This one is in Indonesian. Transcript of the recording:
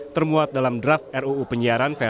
termuat dalam draft ruu penyiaran